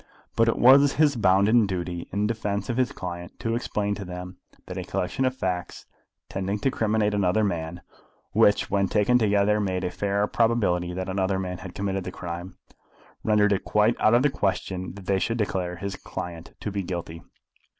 But it was his bounden duty in defence of his client to explain to them that a collection of facts tending to criminate another man, which when taken together made a fair probability that another man had committed the crime, rendered it quite out of the question that they should declare his client to be guilty.